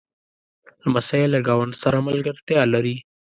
لمسی له ګاونډ سره ملګرتیا لري.